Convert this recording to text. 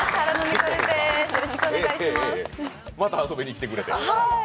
また遊びに来てくれて。